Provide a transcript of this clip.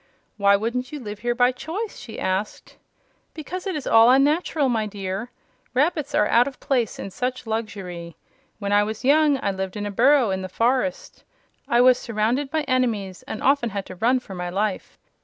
"Why wouldn't you live here by choice?" she asked. "Because it is all unnatural, my dear. Rabbits are out of place in such luxury. When I was young I lived in a burrow in the forest. I was surrounded by enemies and often had to run for my life.